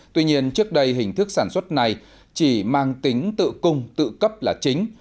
tuy nhiên trước đây hình thức sản xuất này chỉ mang tính tự cung tự cấp là chính